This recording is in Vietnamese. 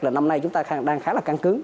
là năm nay chúng ta đang khá là căng cứng